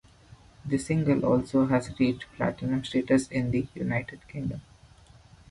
The single also has reached Platinum status in the United Kingdom.